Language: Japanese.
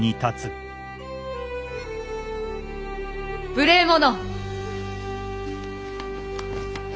無礼者！